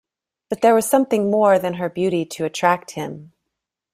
But there was something more than her beauty to attract him.